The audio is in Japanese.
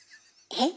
えっ？